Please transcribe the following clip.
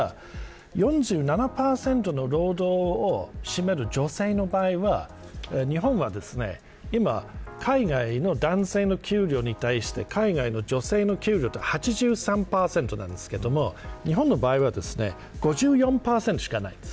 ただ４７％の労働を占める女性の場合は日本は海外の男性の給料に対して海外の女性の給料は８３％なんですけど日本の場合は５４％しかないんです。